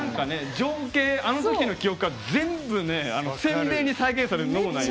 あのときの記憶が全部鮮明に再現される、脳内に。